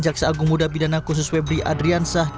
jaksa agung muda bidana khusus febri adrian syah